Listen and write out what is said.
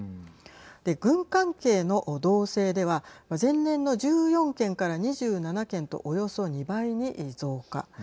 で、軍関係の動静では前年の１４件から２７件とおよそ２倍に増加。